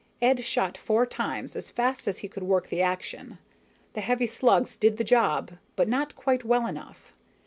Ed shot four times, as fast as he could work the action. The heavy slugs did the job, but not quite well enough.